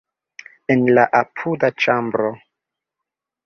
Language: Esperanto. En la apuda ĉambro.